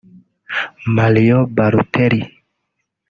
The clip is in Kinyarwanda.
Marion Bartoli